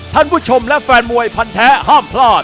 ท่านผู้ชมและแฟนมวยพันแท้ห้ามพลาด